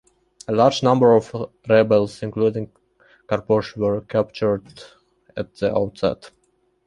A large number of rebels, including Karposh, were captured at the outset.